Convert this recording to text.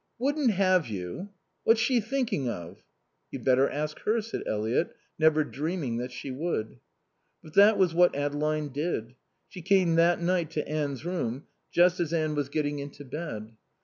"Wouldn't have you? What's she thinking of?" "You'd better ask her," said Eliot, never dreaming that she would. But that was what Adeline did. She came that night to Anne's room just as Anne was getting into bed.